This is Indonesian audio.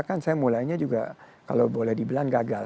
kan saya mulainya juga kalau boleh dibilang gagal